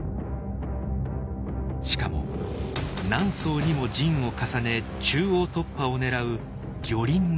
しかも何層にも陣を重ね中央突破をねらう魚鱗の陣。